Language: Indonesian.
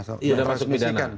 sudah masuk pidana